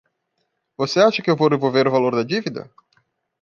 Você acha que eu vou devolver o valor da dívida?